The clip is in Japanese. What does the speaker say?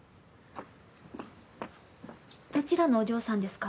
どちらのお嬢さんですか？